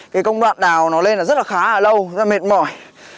cái công đoạn đào nó lên là rất là khá là lâu rất mệt mỏi